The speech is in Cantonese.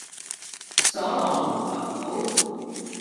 所羅門群島